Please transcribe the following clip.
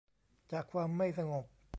จากความไม่สงบ